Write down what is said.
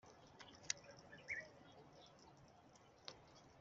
Ndatinya yuko ahari ibyo nabakoreye naruhijwe